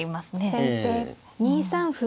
先手２三歩。